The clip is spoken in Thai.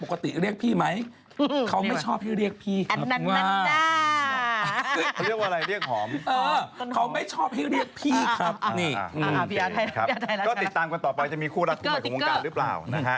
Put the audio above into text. ก็ติดตามกันต่อไปจะมีคู่รักคู่ใหม่ของวงการหรือเปล่านะฮะ